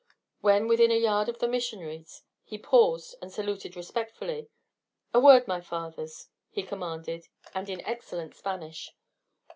When within a yard of the missionaries he paused and saluted respectfully. "A word, my fathers," he commanded, and in excellent Spanish.